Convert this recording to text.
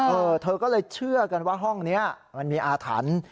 เธอก็เลยเชื่อกันว่าห้องนี้มันมีอาถรรพ์